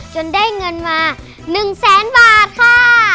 จนได้เงินมา๑แสนบาทค่ะ